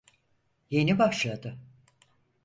Yeni başladı.